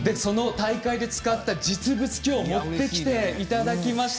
大会で使った実物を持ってきていただきました。